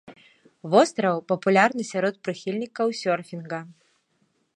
Востраў папулярны сярод прыхільнікаў сёрфінга.